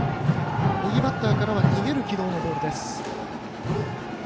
右バッターからは逃げる軌道のボールです。